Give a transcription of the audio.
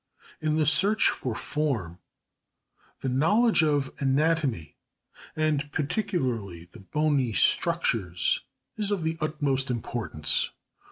In the search for form the knowledge of anatomy, and particularly the bony structures, is of the utmost importance.